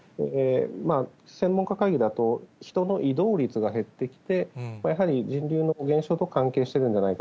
専門家会議だと、人の移動率が減ってきて、やはり人流の減少と関係してるんじゃないか。